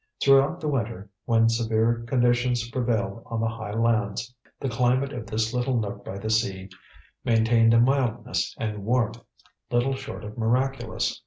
Throughout the winter, when severe conditions prevailed on the high lands, the climate of this little nook by the sea maintained a mildness and warmth little short of miraculous.